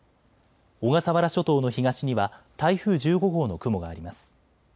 小笠原諸島の東には台風１５号の雲があります。